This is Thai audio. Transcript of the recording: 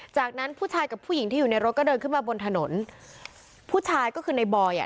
จากนั้นผู้ชายกับผู้หญิงที่อยู่ในรถก็เดินขึ้นมาบนถนนผู้ชายก็คือในบอยอ่ะ